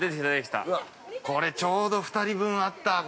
◆ちょうど２人分あった。